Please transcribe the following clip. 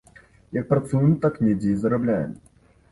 Як працуем, так недзе і зарабляем.